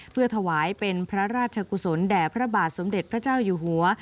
เพื่อถวายเป็นพระราชกุศลแด่พระบาทสมเด็จพระเจ้าอยู่หัว